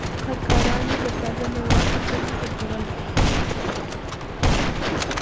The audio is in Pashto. خر کارانو به تازه مېوه په کليو ګرځوله.